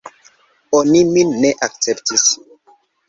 Oni min ne akceptis.